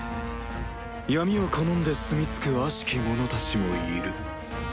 闇を好んで住みつく悪しき者達もいる。